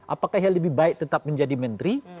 apakah yang lebih baik tetap menjadi menteri